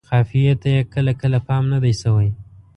قافیې ته یې کله کله پام نه دی شوی.